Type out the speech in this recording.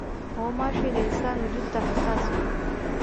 غوماشې د انسان وجود ته حساس وي.